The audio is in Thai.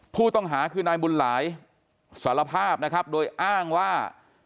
ผู้ต้องหาคือนายบุญหลายสารภาพนะครับโดยอ้างว่า